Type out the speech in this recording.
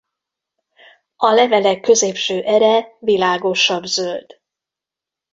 A levelek középső ere világosabb zöld.